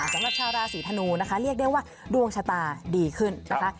สำหรับชาวราศีธนูนะคะเรียกได้ว่าดวงชะตาดีขึ้นนะคะ